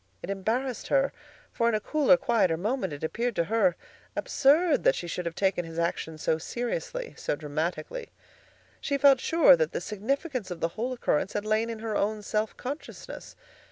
It embarrassed her; for in a cooler, quieter moment it appeared to her absurd that she should have taken his action so seriously, so dramatically. She felt sure that the significance of the whole occurrence had lain in her own self consciousness.